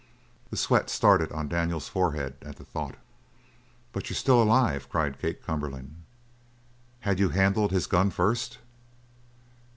The sweat started on Daniels' forehead at the thought. "But you're still alive!" cried Kate Cumberland. "Had you handled his gun first?"